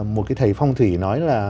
một cái thầy phong thủy nói là